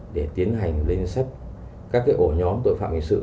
để tiến hành lên danh sách các ổ nhóm tội phạm hình sự